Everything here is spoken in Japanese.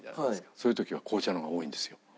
そういう時は紅茶の方が多いんですよ。